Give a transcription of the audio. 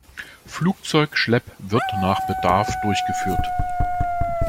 Flugzeugschlepp wird nach Bedarf durchgeführt.